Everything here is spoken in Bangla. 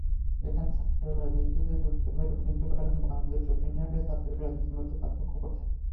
এখানে ছাত্ররাজনীতিতে যুক্ত হয়ে বুঝতে পারলাম বাংলাদেশ এবং ফিনল্যান্ডের ছাত্ররাজনীতির মধ্যে পার্থক্য কোথায়।